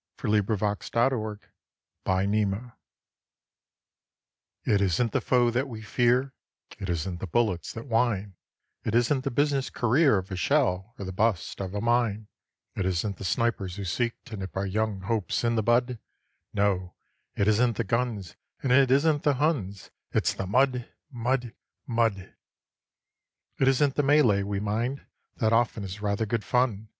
'" A Song of Winter Weather It isn't the foe that we fear; It isn't the bullets that whine; It isn't the business career Of a shell, or the bust of a mine; It isn't the snipers who seek To nip our young hopes in the bud: No, it isn't the guns, And it isn't the Huns It's the MUD, MUD, MUD. It isn't the melee we mind. That often is rather good fun.